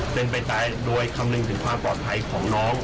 เป็นไปตายโดยคำนึงถึงความปลอดภัยของน้อง